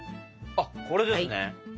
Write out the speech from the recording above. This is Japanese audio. あっこれですね。